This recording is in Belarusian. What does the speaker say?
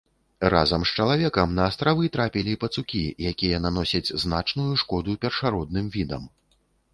Разам з чалавекам на астравы трапілі пацукі, якія наносяць значную шкоду першародным відам.